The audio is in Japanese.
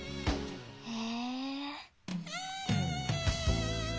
へえ。